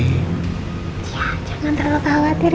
ya jangan terlalu khawatir